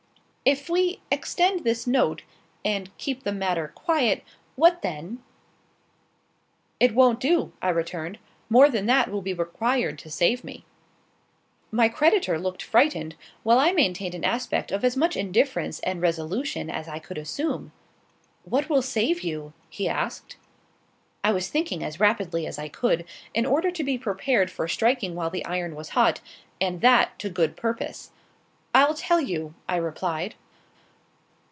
"If we extend this note, and keep the matter quiet, what then?" "It won't do," I returned. "More than that will be required to save me." My creditor looked frightened, while I maintained an aspect of as much indifference and resolution as I could assume. "What will save you?" he asked. I was thinking as rapidly as I could, in order to be prepared for striking while the iron was hot, and that to good purpose. "I'll tell you," I replied.